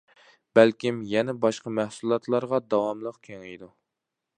بەلكىم يەنە باشقا مەھسۇلاتلارغا داۋاملىق كېڭىيىدۇ.